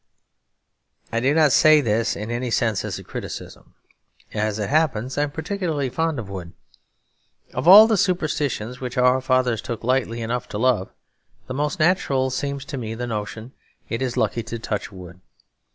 I do not say this in any sense as a criticism. As it happens, I am particularly fond of wood. Of all the superstitions which our fathers took lightly enough to love, the most natural seems to me the notion it is lucky to touch wood.